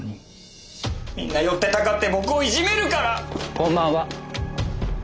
こんばんは。